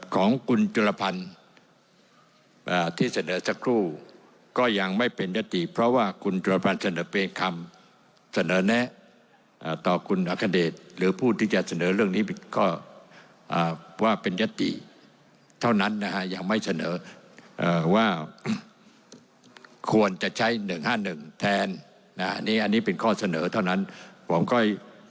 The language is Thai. ของคุณจุลพันธ์ที่เสนอสักครู่ก็ยังไม่เป็นยติเพราะว่าคุณจุรพันธ์เสนอเป็นคำเสนอแนะต่อคุณอัคเดชหรือผู้ที่จะเสนอเรื่องนี้ผิดก็ว่าเป็นยติเท่านั้นนะฮะยังไม่เสนอว่าควรจะใช้๑๕๑แทนนะอันนี้อันนี้เป็นข้อเสนอเท่านั้นผมค่อย